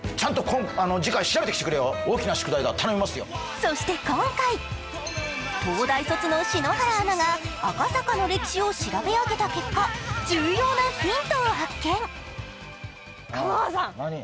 そして今回、東京大学卒の篠原アナが赤坂の歴史を調べ上げた結果、重要なヒントを発見。